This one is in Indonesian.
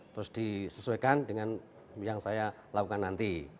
terus disesuaikan dengan yang saya lakukan nanti